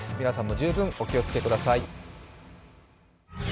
皆さんも十分お気をつけください。